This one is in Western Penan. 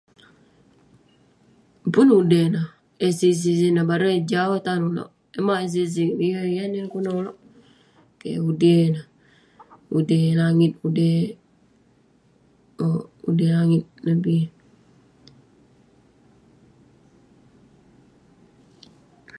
Pun udey neh, eh sig sig sineh. Bareng eh jau tan ulouk. Mauk eh sig sig, yeng yan neh kunah ulouk. Keh udey neh. Udey langit, udey um udey langit ineh bi.